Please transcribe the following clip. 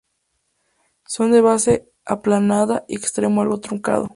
Son de base aplanada y extremo algo truncado.